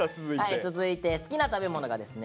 続いて好きな食べ物がですね